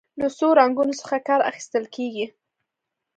له څو رنګونو څخه کار اخیستل کیږي.